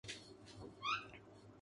تم یہاں کیا کرنے آئے تھے